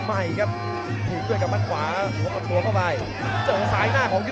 พยายามมาหว่างด้วยแค่